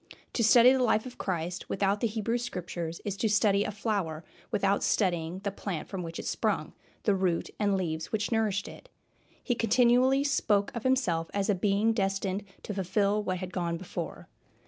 To study the life of Christ without the Hebrew Scriptures is to study a flower without studying the plant from which it sprung, the root and leaves which nourished it. He continually spoke of himself as a Being destined to fulfill what had gone before.